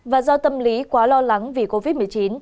và do tâm lý quá lo lắng vì covid một mươi chín